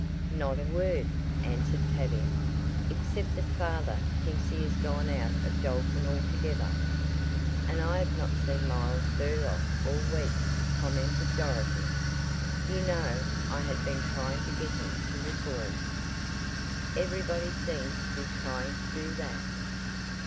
"Not a word," answered Tavia, "except that father thinks he has gone out of Dalton altogether." "And I have not seen Miles Burlock all week," commented Dorothy, "You know I had been trying to get him to reform." "Everybody seems to be trying to do that."